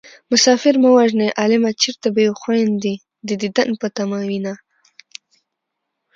مسافر مه وژنئ عالمه چېرته به يې خويندې د دين په تمه وينه